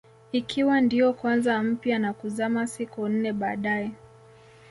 Ikiwa ndio kwanza mpya na kuzama siku nne baadae